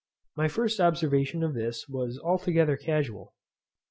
My first observation of this was altogether casual.